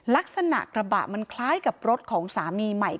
ลักษณะกระบะมันคล้ายกับรถของสามีใหม่